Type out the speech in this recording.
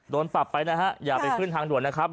โดนปรับไปนะฮะอย่าไปขึ้นทางด่วนนะครับ